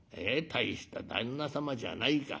大した旦那様じゃないか。